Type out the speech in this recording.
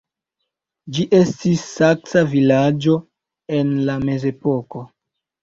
Ĝi estis saksa vilaĝo en la mezepoko.